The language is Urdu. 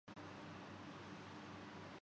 تو وہ اسے اپنے مفاد کے لیے استعمال کر سکتے تھے۔